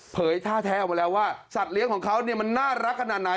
ท่าแท้ออกมาแล้วว่าสัตว์เลี้ยงของเขาเนี่ยมันน่ารักขนาดไหน